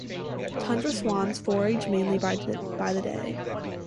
Tundra swans forage mainly by day.